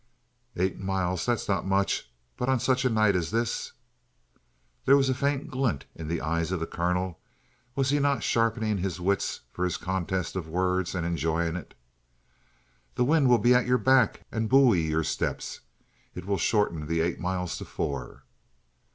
"Eight miles, that's not much! But on such a night as this?" There was a faint glint in the eyes of the colonel; was he not sharpening his wits for his contest of words, and enjoying it? "The wind will be at your back and buoy your steps. It will shorten the eight miles to four."